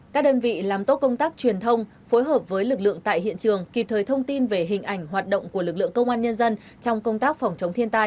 các đơn vị làm tốt công tác truyền thông phối hợp với lực lượng tại hiện trường kịp thời thông tin về hình ảnh hoạt động của lực lượng công an nhân dân trong công tác phòng chống thiên tai